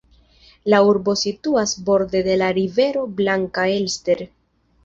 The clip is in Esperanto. La urbo situas borde de la rivero Blanka Elster.